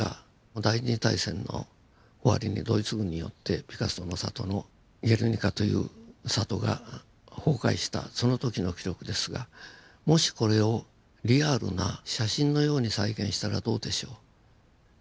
第２次大戦の終わりにドイツ軍によってピカソの里のゲルニカという里が崩壊したその時の記録ですがもしこれをリアルな写真のように再現したらどうでしょう。